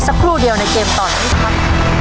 สักครู่เดียวในเกมตอนนี้ครับ